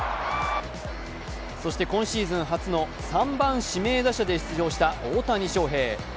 そして今シーズン初の３番・指名打者で出場した大谷翔平。